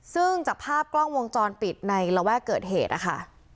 ซึ่งจากภาพกล้องวงจรปิดในระแวกเกิดเหตุนะคะ